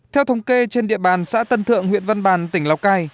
theo thống kê trên địa bàn xã tân thượng huyện văn bàn tỉnh lào cai